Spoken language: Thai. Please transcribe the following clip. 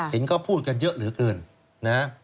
เห็นเขาพูดกันเยอะเหลือเกินนะ